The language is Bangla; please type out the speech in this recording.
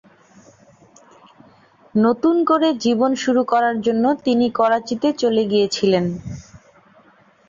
নতুন করে জীবন শুরু করার জন্য তিনি করাচিতে চলে গিয়েছিলেন।